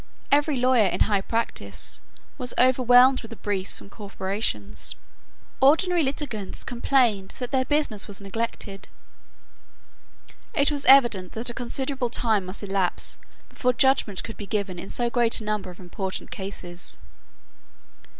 Every lawyer in high practice was overwhelmed with the briefs from corporations. Ordinary litigants complained that their business was neglected. It was evident that a considerable time must elapse before judgment could be given in so great a number of important cases.